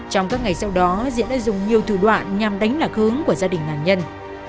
trong các ngày sau đó diễn đã dùng nhiều thủ đoạn nhằm đánh lạc hướng của gia đình nạn nhân